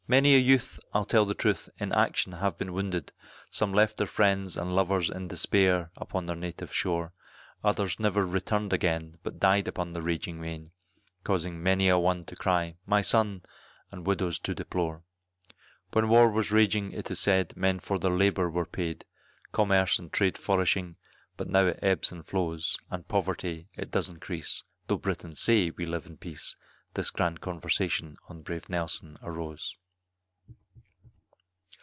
Many a youth, I'll tell the truth, in action have been wounded Some left their friends and lovers in despair upon their native shore Others never returned again, but died upon the raging main, Causing many a one to cry "my son" and widows to deplore, When war was raging, it is said, men for their labour were paid, Commerce and trade flourishing, but now it ebbs and flows, And poverty it does increase, though Britons say we live in peace, This grand conversation on brave Nelson arose.